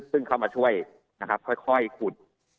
ซึ่งเข้ามาช่วยค่อยขุด